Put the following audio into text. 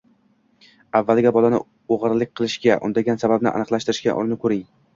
Avvaliga, bolani o‘g‘rilik qilishga undagan sababni aniqlashtirishga urinib ko‘ring.